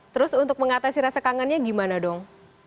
terus untuk mengatasi rasa kangennya gimana dong